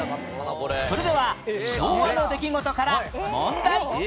それでは昭和の出来事から問題